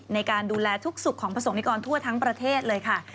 ในการดูแลทุกสุขของประสงค์นิกรทั่วทั้งประเทศเลยค่ะ